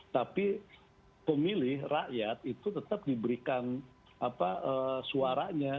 tapi pemilih rakyat itu tetap diberikan suaranya